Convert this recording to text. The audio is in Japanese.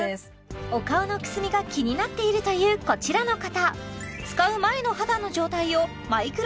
お顔のくすみが気になっているというこちらの方